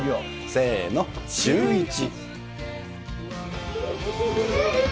せーの、シューイチ。